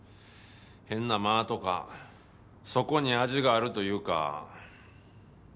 変な間とかそこに味があるというか。